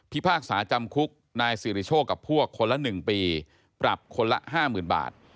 พากษาจำคุกนายสิริโชคกับพวกคนละ๑ปีปรับคนละ๕๐๐๐บาท